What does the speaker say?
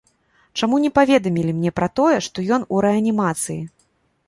Чаму не паведамілі мне пра тое, што ён у рэанімацыі?